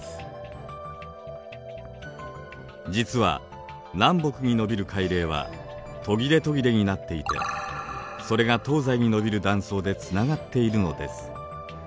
実は南北に延びる海嶺は途切れ途切れになっていてそれが東西に延びる断層でつながっているのです。